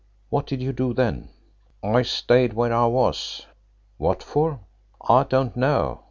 "What did you do then?" "I stayed where I was." "What for?" "I don't know.